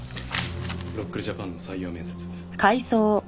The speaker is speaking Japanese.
ロックルジャパンの採用面接。